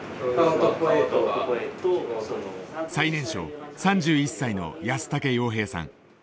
最年少３１歳の安竹洋平さん。